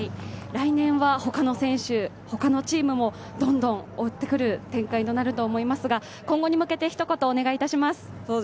来年は他の選手、他のチームもどんどん追ってくる展開となると思いますが、今後に向けて、ひと言お願いいたします。